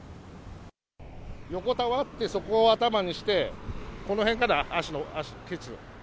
横たわって、そこを頭にして、この辺かな、足、けつ。